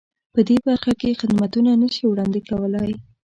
په دې برخه کې خدمتونه نه شي وړاندې کولای.